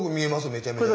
めちゃめちゃ。